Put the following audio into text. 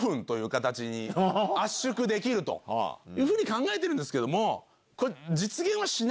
できるというふうに考えてるんですけども。